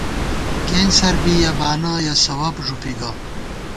کېنسَر بی یَہ بانہ، یَہ سَوَب ݫُوپی گہ